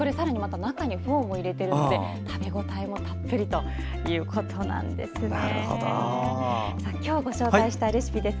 中にフォーも入れているので食べ応えもたっぷりということです。